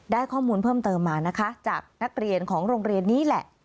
ได้ข้อมูลเพิ่มเติมมานะคะจากนักเรียนของโรงเรียนนี้แหละ